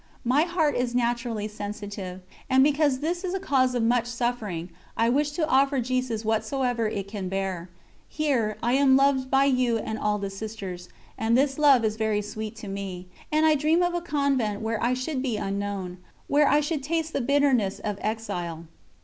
My heart is naturally sensitive, and because this is a cause of much suffering, I wish to offer Jesus whatsoever it can bear. Here, I am loved by you and all the Sisters, and this love is very sweet to me, and I dream of a convent where I should be unknown, where I should taste the bitterness of exile.